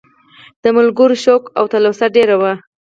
د ملګرو شوق او تلوسه ډېره وه.